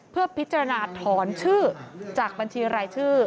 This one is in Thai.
เพื่อพิจารณาถอนชื่อจากบัญชีรายชื่อ